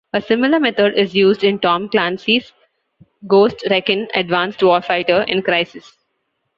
A similar method is used in "Tom Clancy's Ghost Recon Advanced Warfighter" and "Crysis".